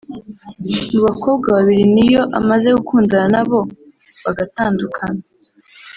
Mu bakobwa babiri Ne-Yo amaze gukundana nabo bagatandukana